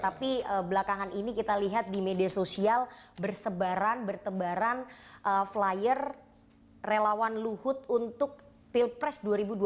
tapi belakangan ini kita lihat di media sosial bersebaran bertebaran flyer relawan luhut untuk pilpres dua ribu dua puluh